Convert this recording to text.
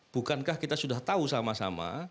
bukankah kita sudah tahu sama sama